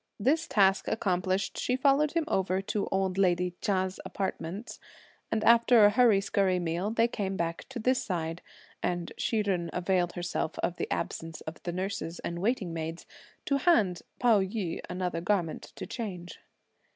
This task accomplished, she followed him over to old lady Chia's apartments; and after a hurry scurry meal, they came back to this side, and Hsi Jen availed herself of the absence of the nurses and waiting maids to hand Pao yü another garment to change.